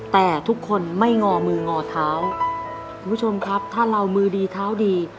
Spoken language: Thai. แต่ทุกคนไม่งอมืองอเท้าคุณผู้ชมครับถ้าเรามือดีเท้าดี